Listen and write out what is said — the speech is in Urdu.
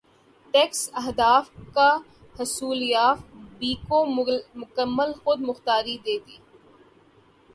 ٹیکس اہداف کا حصولایف بی کو مکمل خود مختاری دے دی